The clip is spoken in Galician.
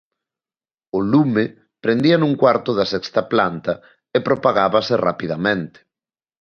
O lume prendía nun cuarto da sexta planta e propagábase rapidamente.